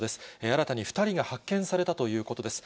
新たに２人が発見されたということです。